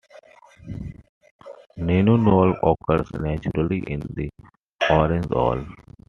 Nonanol occurs naturally in the orange oil.